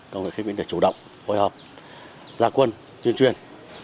công an huyện khánh vĩnh đã chủ động hội hợp gia quân tuyên truyền